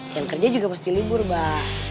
yang kerja juga pasti libur abah